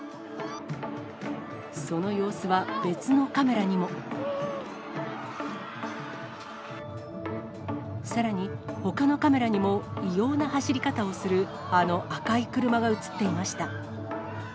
その様子は、別のカメラにも。さらにほかのカメラにも異様な走り方をするあの赤い車が写っていました。